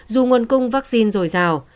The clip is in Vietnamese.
dù nguồn cung vaccine rồi rào